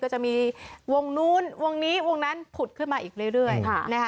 จะมีวงนู้นวงนี้วงนั้นผุดขึ้นมาอีกเรื่อย